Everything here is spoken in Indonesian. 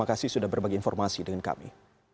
ada berbagai informasi dengan kami